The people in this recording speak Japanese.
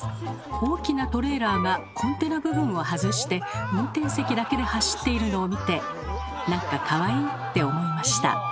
大きなトレーラーがコンテナ部分を外して運転席だけで走っているのを見てなんかカワイイって思いました。